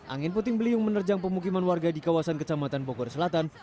angin puting beliung menerjang pemukiman warga di kawasan kecamatan bogor selatan